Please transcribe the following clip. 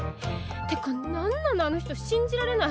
ってか何なのあの人信じられない！